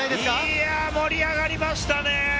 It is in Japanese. いや、盛り上がりましたね！